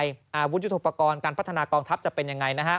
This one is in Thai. และเรียบรักยูธยุทธปกรณ์การพัฒนากองทัพจะเป็นยังไง